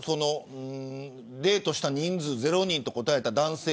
デートした人数０人と答えた男性